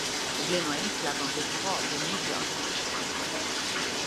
Det blir nog enklare om du tar av dig myggjagarna, först.